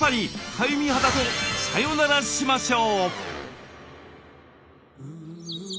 かゆみ肌とサヨナラしましょう。